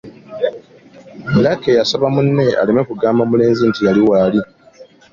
Lucky yasaba munne aleme okugamba omulenzi nti yali waali.